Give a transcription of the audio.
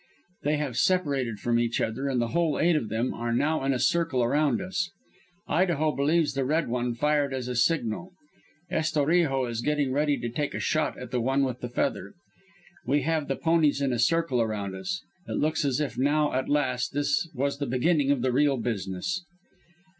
"They have separated from each other, and the whole eight of them are now in a circle around us. Idaho believes the Red One fired as a signal. Estorijo is getting ready to take a shot at the One with the Feather. We have the ponies in a circle around us. It looks as if now at last this was the beginning of the real business.